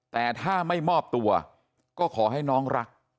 แต่ถ้าไม่มอบตัวก็ขอให้น้องรัก